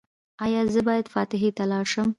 ایا زه باید فاتحې ته لاړ شم؟